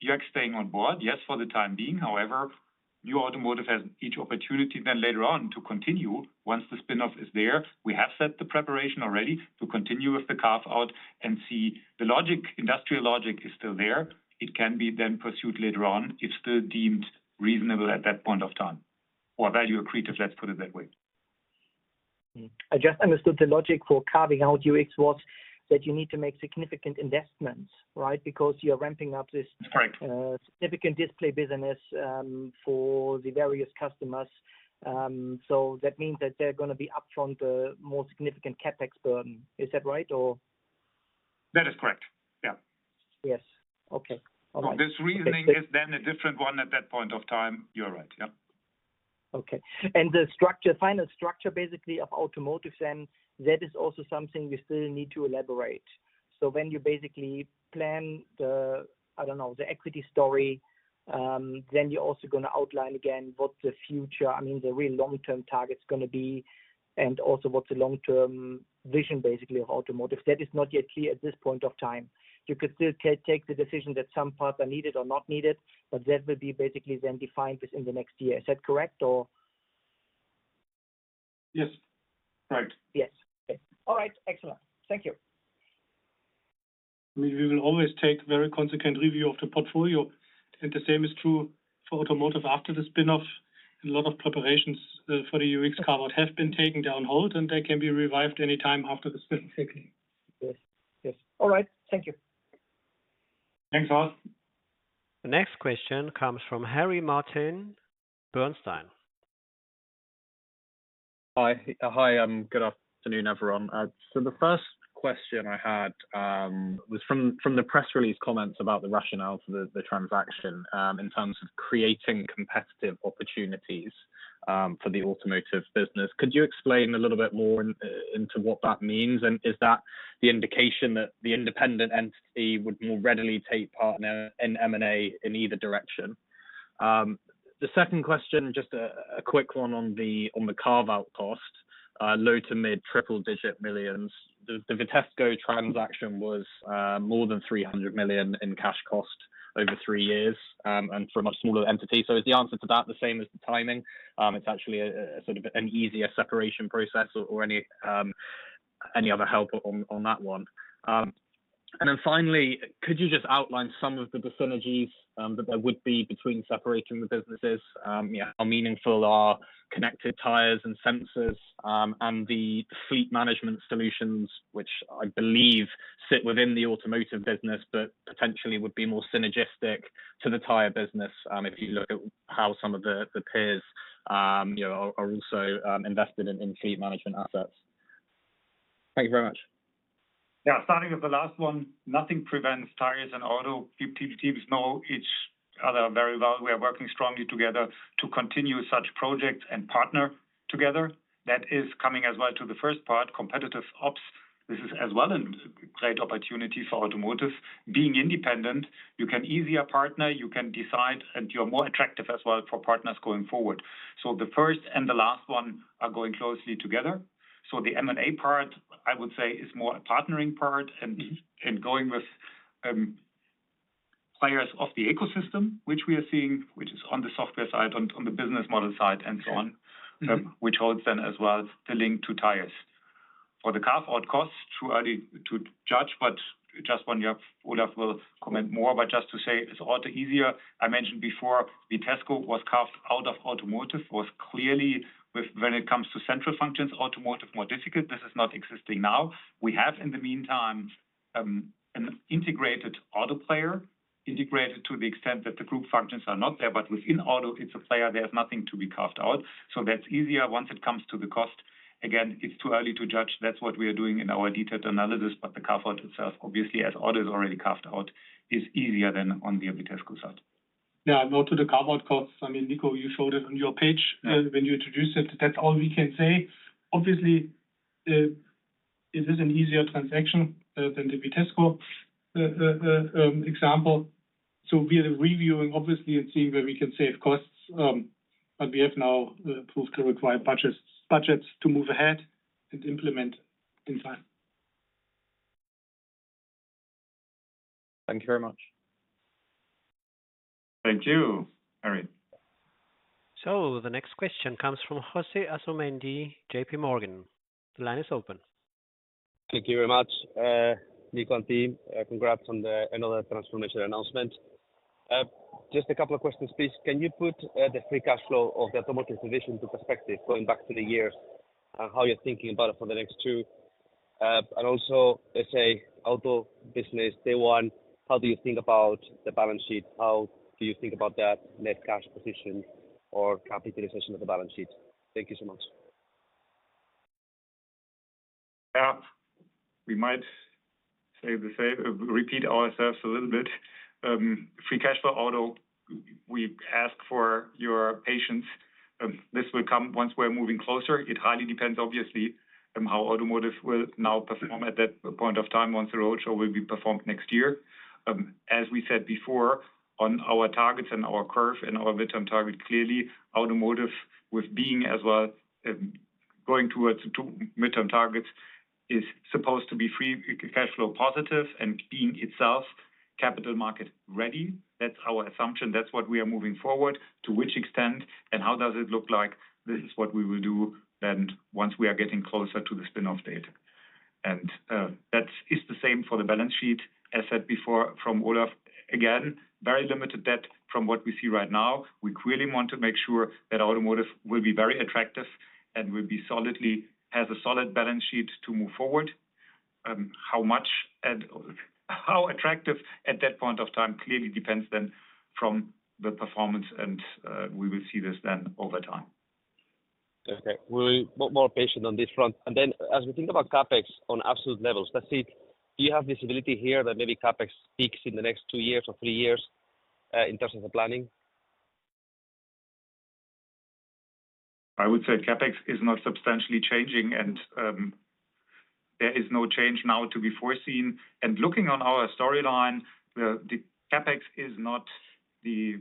You're staying on board, yes, for the time being. However, new automotive has each opportunity then later on to continue. Once the spinoff is there, we have set the preparation already to continue with the carve-out and see the logic, industrial logic is still there. It can be then pursued later on if still deemed reasonable at that point of time or value accretive, let's put it that way. I just understood the logic for carving out UX was that you need to make significant investments, right? Because you're ramping up this significant display business for the various customers. So that means that they're going to be upfront the more significant CapEx burden. Is that right? Or? That is correct. Yeah. Yes. Okay. All right. This reasoning is then a different one at that point of time. You're right. Yeah. Okay. The structure, final structure basically of automotive, then that is also something you still need to elaborate. So when you basically plan the, I don't know, the equity story, then you're also going to outline again what the future, I mean, the real long-term target is going to be, and also what's the long-term vision basically of automotive. That is not yet clear at this point of time. You could still take the decision that some parts are needed or not needed, but that will be basically then defined within the next year. Is that correct? Or? Yes. Right. Yes. Okay. All right. Excellent. Thank you. I mean, we will always take very consequent review of the portfolio. And the same is true for automotive after the spinoff. A lot of preparations for the UX carve-out have been put on hold, and they can be revived anytime after the spinoff. Yes. Yes. All right. Thank you. Thanks, Horst. The next question comes from Harry Martin, Bernstein. Hi. Good afternoon, everyone. So the first question I had was from the press release comments about the rationale for the transaction in terms of creating competitive opportunities for the automotive business. Could you explain a little bit more into what that means? And is that the indication that the independent entity would more readily take part in M&A in either direction? The second question, just a quick one on the carve-out cost, low- to mid-triple-digit millions. The Vitesco transaction was more than 300 million in cash cost over three years and for a much smaller entity. So is the answer to that the same as the timing? It's actually sort of an easier separation process or any other help on that one. And then finally, could you just outline some of the synergies that there would be between separating the businesses? How meaningful are connected tires and sensors and the fleet management solutions, which I believe sit within the Automotive business, but potentially would be more synergistic to the Tires business if you look at how some of the peers are also invested in fleet management assets? Thank you very much. Yeah. Starting with the last one, nothing prevents Tires and Automotive teams. They know each other very well. We are working strongly together to continue such projects and partner together. That is coming as well to the first part, competitive ops. This is as well a great opportunity for Automotive being independent. You can easier partner, you can decide, and you're more attractive as well for partners going forward. So the first and the last one are going closely together. So the M&A part, I would say, is more a partnering part and going with players of the ecosystem, which we are seeing, which is on the software side, on the business model side, and so on, which holds then as well the link to tires. For the carve-out costs, too early to judge, but just when you have Olaf will comment more, but just to say it's all the easier. I mentioned before, Vitesco was carved out of automotive, was clearly when it comes to central functions, automotive more difficult. This is not existing now. We have in the meantime an integrated auto player, integrated to the extent that the group functions are not there, but within auto, it's a player. There's nothing to be carved out. So that's easier once it comes to the cost. Again, it's too early to judge. That's what we are doing in our detailed analysis, but the carve-out itself, obviously, as auto is already carved out, is easier than on the Vitesco side. Yeah. And onto the carve-out costs. I mean, Niko, you showed it on your page when you introduced it. That's all we can say. Obviously, it is an easier transaction than the Vitesco example. So we are reviewing, obviously, and seeing where we can save costs, but we have now provided the required budgets to move ahead and implement in time. Thank you very much. Thank you, Harry. So the next question comes from JPMorgan. The line is open. Thank you very much, Nikolai, team. Congrats on another transformation announcement. Just a couple of questions, please. Can you put the free cash flow of the automotive division into perspective going back to the years and how you're thinking about it for the next two? And also let's say auto business day one, how do you think about the balance sheet? How do you think about that net cash position or capitalization of the balance sheet? Thank you so much. Yeah. We might say the same, repeat ourselves a little bit. Free cash flow auto, we ask for your patience. This will come once we're moving closer. It highly depends, obviously, on how automotive will now perform at that point of time once the roadshow will be performed next year. As we said before, on our targets and our curve and our midterm target, clearly, automotive with being as well going towards two midterm targets is supposed to be free cash flow positive and being itself capital market ready. That's our assumption. That's what we are moving forward to which extent and how does it look like? This is what we will do then once we are getting closer to the spinoff date. And that is the same for the balance sheet, as said before from Olaf. Again, very limited debt from what we see right now. We clearly want to make sure that automotive will be very attractive and will be solidly has a solid balance sheet to move forward. How much and how attractive at that point of time clearly depends then from the performance, and we will see this then over time. Okay. We'll be more patient on this front. And then as we think about CapEx on absolute levels, let's see, do you have visibility here that maybe CapEx peaks in the next two years or three years in terms of the planning? I would say CapEx is not substantially changing, and there is no change now to be foreseen. And looking on our storyline, the CapEx is not the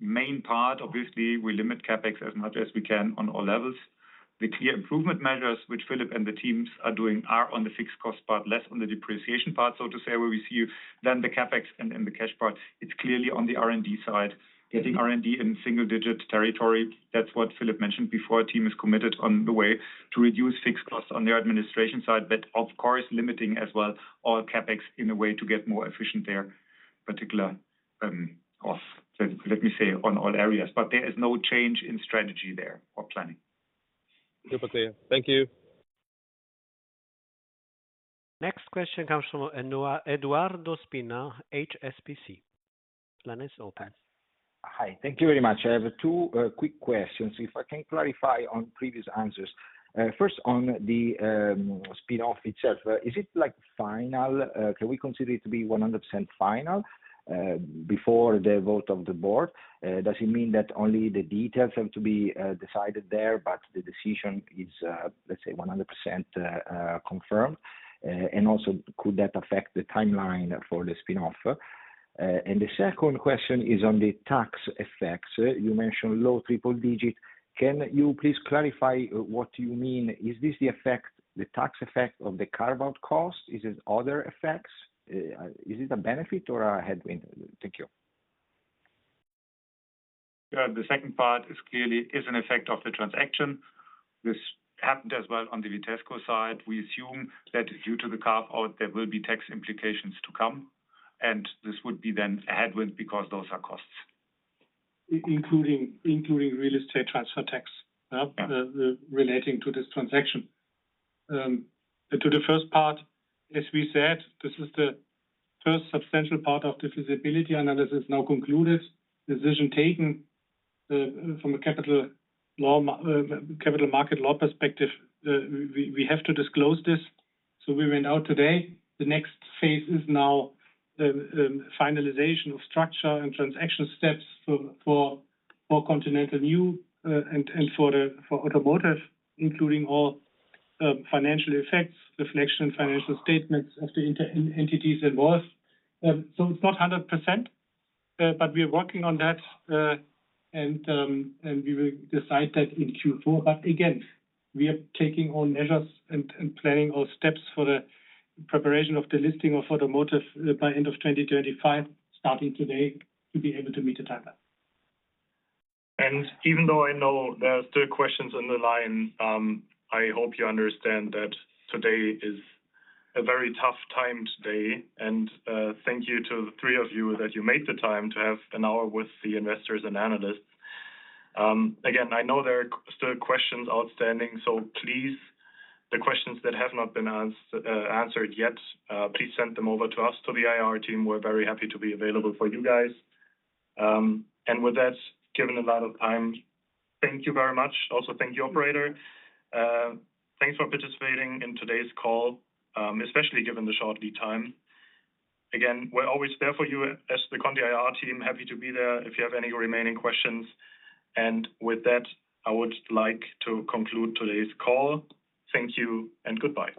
main part. Obviously, we limit CapEx as much as we can on all levels. The clear improvement measures, which Philipp and the teams are doing, are on the fixed cost part, less on the depreciation part, so to say, where we see then the CapEx and then the cash part. It's clearly on the R&D side, getting R&D in single-digit territory. That's what Philipp mentioned before. Team is committed on the way to reduce fixed costs on their administration side, but of course, limiting as well all CapEx in a way to get more efficient there, particularly let me say on all areas, but there is no change in strategy there or planning. Thank you. Next question comes from Edoardo Spina, HSBC. Line is open. Hi. Thank you very much. I have two quick questions. If I can clarify on previous answers. First, on the spinoff itself, is it like final? Can we consider it to be 100% final before the vote of the board? Does it mean that only the details have to be decided there, but the decision is, let's say, 100% confirmed? And also, could that affect the timeline for the spinoff? And the second question is on the tax effects. You mentioned low triple digit. Can you please clarify what you mean? Is this the effect, the tax effect of the carve-out cost? Is it other effects? Is it a benefit or a headwind? Thank you. The second part is clearly an effect of the transaction. This happened as well on the Vitesco side. We assume that due to the carve-out, there will be tax implications to come. And this would be then a headwind because those are costs, including real estate transfer tax relating to this transaction. To the first part, as we said, this is the first substantial part of the feasibility analysis now concluded, decision taken from a capital market law perspective. We have to disclose this. So we went out today. The next phase is now finalization of structure and transaction steps for Continental New and for automotive, including all financial effects, reflection, and financial statements of the entities involved. So it's not 100%, but we are working on that, and we will decide that in Q4. But again, we are taking all measures and planning all steps for the preparation of the listing of automotive by end of 2025, starting today, to be able to meet the timeline. Even though I know there are still questions on the line, I hope you understand that today is a very tough time today. And thank you to the three of you that you made the time to have an hour with the investors and analysts. Again, I know there are still questions outstanding, so please, the questions that have not been answered yet, please send them over to us, to the IR team. We're very happy to be available for you guys. And with that, given a lot of time, thank you very much. Also, thank you, operator. Thanks for participating in today's call, especially given the short lead time. Again, we're always there for you as the Continental IR team, happy to be there if you have any remaining questions. And with that, I would like to conclude today's call. Thank you and goodbye.